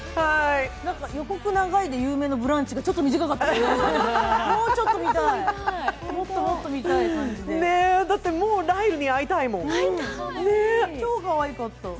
何か予告長いで有名の「ブランチ」がちょっと短かったもうちょっと見たいもっともっと見たい感じでねえだってもうライルに会いたいもん・会いたいねえ